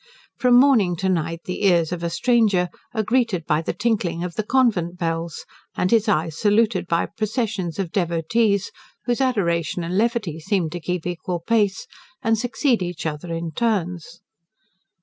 From morning to night the ears of a stranger are greeted by the tinkling of the convent bells, and his eyes saluted by processions of devotees, whose adoration and levity seem to keep equal pace, and succeed each other in turns.